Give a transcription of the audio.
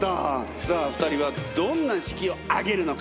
さあ２人はどんな式を挙げるのか？